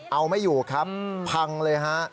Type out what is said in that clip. เอาไม่อยู่ครับพังเลยฮะ